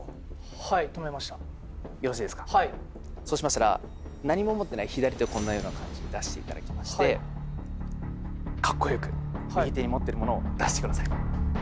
そうしましたら何も持ってない左手をこんなような感じで出していただきましてかっこよく右手に持ってるものを出してください。